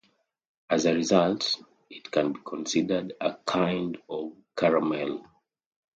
As a result, it can be considered a kind of caramel.